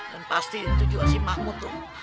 dan pasti itu juga si mahmud tuh